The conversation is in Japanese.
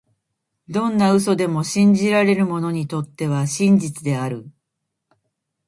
どんな嘘でも、信じられる者にとっては真実である。